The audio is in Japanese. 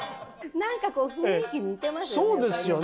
何かこう雰囲気似てますよね。